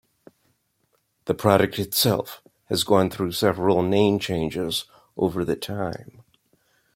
The product itself has gone through several name changes over the time.